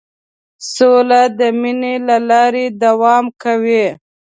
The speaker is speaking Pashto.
سوله د مینې له لارې دوام کوي.